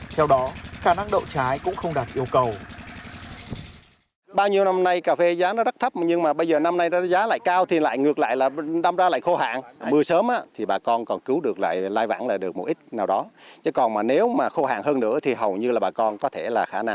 theo đó khả năng đậu trái cũng không đạt yêu cầu